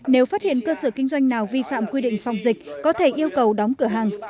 nếu phát hiện cơ sở kinh doanh nào vi phạm quy định phòng dịch có thể yêu cầu đóng cửa hàng